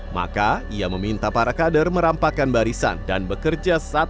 maka ia meminta para kader merampakan barisan dan bekerja